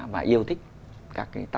và yêu thích các cái tác phẩm nghệ thuật